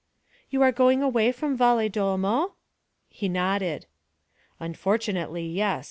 'You are going away from Valedolmo?' He nodded. 'Unfortunately, yes.